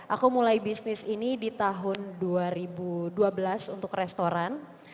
aku mulai bisnis ini di tahun dua ribu dua belas untuk restoran